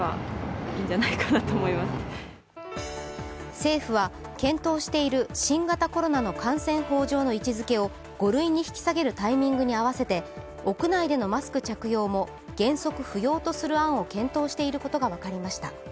政府は検討している新型コロナの感染法上の位置づけを５類に引き下げるタイミングに合わせて屋内でのマスク着用も原則不要とする案を検討していることが分かりました。